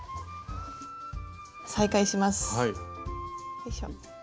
よいしょ。